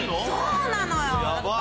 そうなのよ。